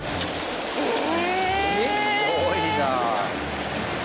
すごいな。